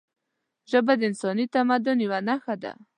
ژبه د انساني تمدن یوه نښه ده